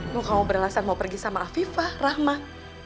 kamu beralasan mau pergi sama afifah rahmat